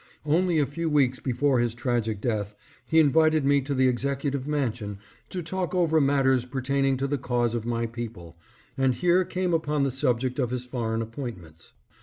Only a few weeks before his tragic death, he invited me to the executive mansion to talk CONFERENCE WITH PRESIDENT GARFIELD. 631 over matters pertaining to the cause of my people, and here came up the subject of his foreign appointments.